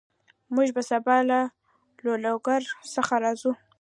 موږ به سبا له لوګر څخه راځو